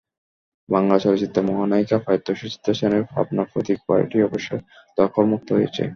বাংলা চলচ্চিত্রের মহানায়িকা প্রয়াত সুচিত্রা সেনের পাবনার পৈতৃক বাড়িটি অবশেষে দখলমুক্ত হয়েছে।